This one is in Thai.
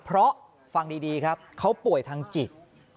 เพราะฟังดีครับเขาป่วยทางจิต